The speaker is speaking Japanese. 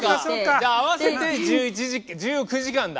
じゃあ合わせて１９時間だ。